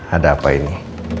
ada apa ini